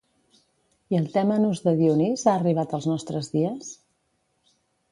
I el tèmenos de Dionís ha arribat als nostres dies?